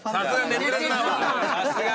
さすが。